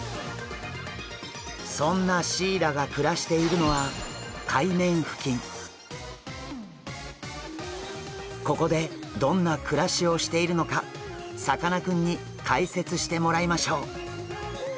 そんなシイラが暮らしているのはここでどんな暮らしをしているのかさかなクンに解説してもらいましょう。